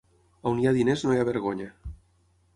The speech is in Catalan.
On hi ha diners no hi ha vergonya.